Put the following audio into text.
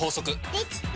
できた！